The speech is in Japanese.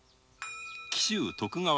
紀州徳川